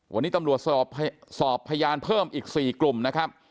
วันนี้ตำรวจสอบพยานเพิ่มอีก๔กลุ่มนะครับ